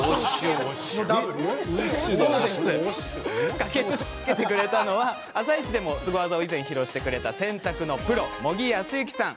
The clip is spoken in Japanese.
駆けつけてくれたのは「あさイチ」でもスゴ技を披露してくれた洗濯のプロ、茂木康之さん。